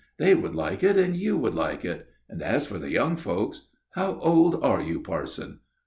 They would like it, and you would like it, and as for the young folks how old are you, parson?"